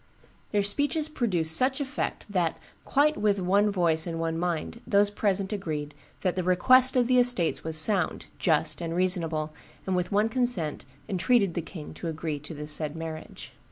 Their speeches produced such effect that, 'quite with one voice and one mind, those present agreed that the request of the estates was sound, just, and reasonable, and with one consent entreated the king to agree to the said marriage.